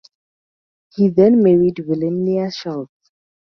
He then married Wilhelmina Schulze.